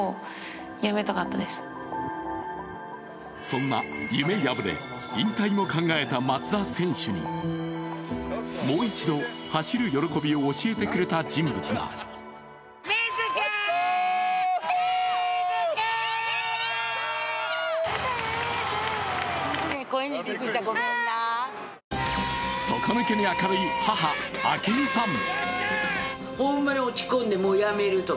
そんな夢破れ、引退も考えた松田選手にもう一度、走る喜びを教えてくれた人物が底抜けに明るい母・明美さん。